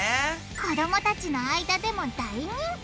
子供たちの間でも大人気！